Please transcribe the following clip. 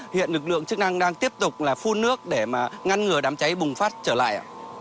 hiện lực lượng chức năng đang tiếp tục phun nước để ngăn ngừa đám cháy bùng phát trở lại